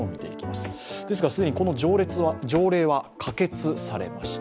既に、この条例は可決されました。